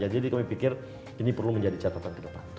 jadi kami pikir ini perlu menjadi catatan ke depan